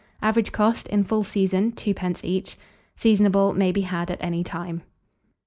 Average cost, in full season, 2d. each. Seasonable. May be had at any time.